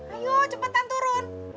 ayo cepetan turun